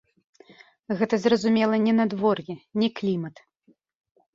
Гэта, зразумела, не надвор'е, не клімат.